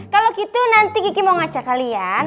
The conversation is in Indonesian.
kalau gitu nanti kiki mau ngajak kalian